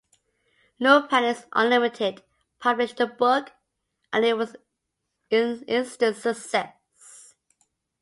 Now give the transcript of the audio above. Loompanics Unlimited published the book, and it was an instant success.